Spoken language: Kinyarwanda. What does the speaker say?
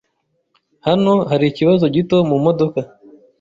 Hano hari ikibazo gito mumodoka.